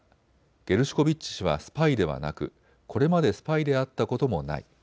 ゲルシュコビッチ氏はスパイではなく、これまでスパイであったこともない。